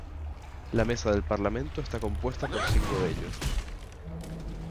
La mesa del parlamento está compuesta por cinco de ellos.